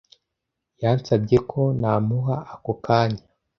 Yansabye ko namuha ako kanya.